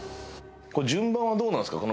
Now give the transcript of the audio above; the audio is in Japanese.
これ順番はどうなんですか？